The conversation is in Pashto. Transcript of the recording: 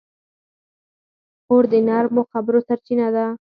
خور د نرمو خبرو سرچینه ده.